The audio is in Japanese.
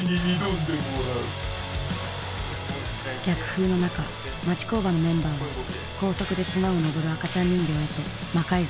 逆風の中町工場のメンバーは高速で綱を登る赤ちゃん人形へと魔改造していった。